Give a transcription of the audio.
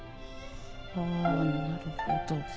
はあなるほど。